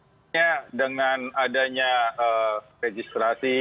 sebenarnya dengan adanya registrasi